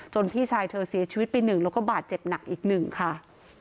พี่ชายเธอเสียชีวิตไปหนึ่งแล้วก็บาดเจ็บหนักอีกหนึ่งค่ะ